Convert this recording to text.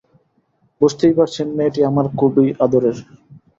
বুঝতেই পারছেন, মেয়েটি আমার খুবই আদরের।